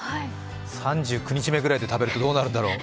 ３９日目くらいで食べるとどうなるんだろう。